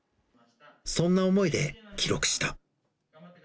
そんな思いで記録した。